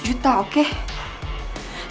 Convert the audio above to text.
seratus juta saya dp